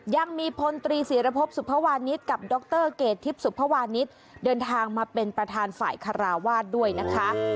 ยังมีพลตรีศิรพบสุภวานิสกับดรเกรดทิพย์สุภวานิสเดินทางมาเป็นประธานฝ่ายคาราวาสด้วยนะคะ